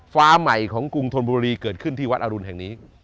ฟ้าใหม่ของกรุงธนบุรีเกิดขึ้นที่วัดอรุณแห่งนี้